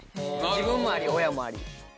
自分もあり親もあり。